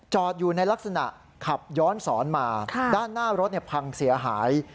อยู่ในลักษณะขับย้อนสอนมาด้านหน้ารถพังเสียหาย